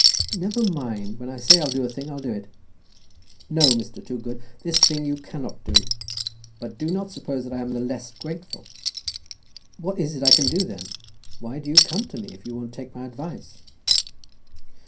"Never mind; when I say I'll do a thing, I'll do it." "No, Mr. Toogood; this thing you can not do. But do not suppose I am the less grateful." "What is it I can do then? Why do you come to me if you won't take my advice?"